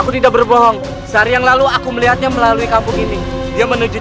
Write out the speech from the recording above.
kau tidak akan percaya begitu saja